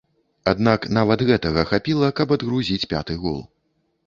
Аднак нават гэтага хапіла, каб адгрузіць пяты гол.